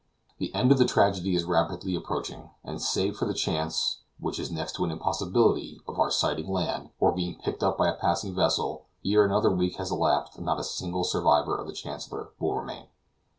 The end of the tragedy is rapidly approaching, and save for the chance, which is next to an impossibility, of our sighting land, or being picked up by a passing vessel, ere another week has elapsed not a single survivor of the Chancellor will remain.